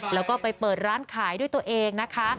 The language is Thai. แล้วก็ไปเปิดร้านขายด้วยตัวเองนะคะ